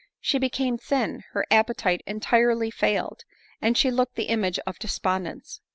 She became thin, her appetite .entirely fail ed, and she looked the image of despondence.